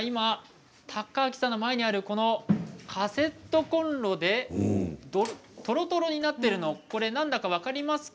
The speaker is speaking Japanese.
享明さんの前にあるカセットコンロでとろとろになっているの、これ何だか分かりますか？